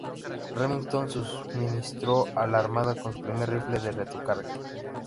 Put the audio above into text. Remington suministró a la Armada con su primer rifle de retrocarga.